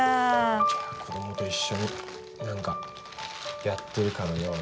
じゃあ子供と一緒に何かやってるかのように。